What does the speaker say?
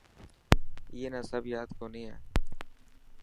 اي نا سب ياد ڪوني هي.